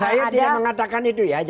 saya tidak mengatakan itu tidak ada